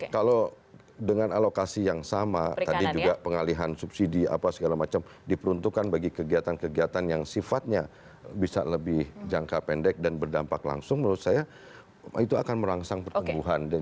kalau dengan alokasi yang sama tadi juga pengalihan subsidi apa segala macam diperuntukkan bagi kegiatan kegiatan yang sifatnya bisa lebih jangka pendek dan berdampak langsung menurut saya itu akan merangsang pertumbuhan